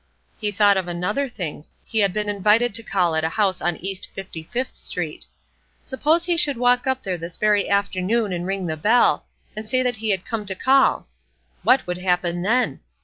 He thought of another thing; he had been invited to call at a house on East Fifty fifth Street. Suppose he should walk up there this very afternoon and ring the bell, and say that he had come to call! What would happen then?